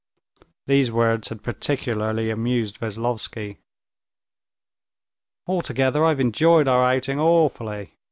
These words had particularly amused Veslovsky. "Altogether, I've enjoyed our outing awfully.